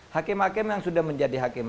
hakim hakim yang sudah menjadi hakim